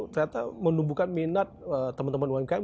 ternyata menumbuhkan minat teman teman umkm